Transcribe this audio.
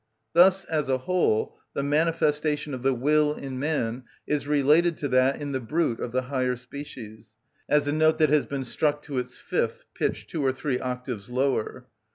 Thus, as a whole, the manifestation of the will in man is related to that in the brute of the higher species, as a note that has been struck to its fifth pitched two or three octaves lower.